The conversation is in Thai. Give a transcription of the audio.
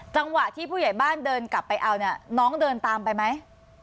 จังหวะที่ผู้ใหญ่บ้านเดินกลับไปเอาเนี่ยน้องเดินตามไปไหม